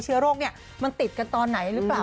เชื้อโรคมันติดกันตอนไหนหรือเปล่า